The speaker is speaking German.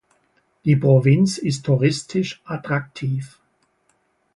Die Provinz ist touristisch attraktiv.